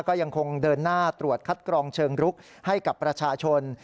ก็ยังคงเดินหน้าตรวจคัดกรองเชิงรุกให้กับประชาชน